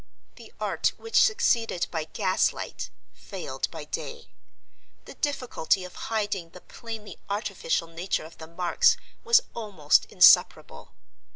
The art which succeeded by gas light failed by day: the difficulty of hiding the plainly artificial nature of the marks was almost insuperable.